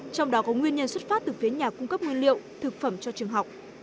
trong đó có nguyên nhân xuất phát từ phía nhà cung cấp nguyên liệu thực phẩm cho trường học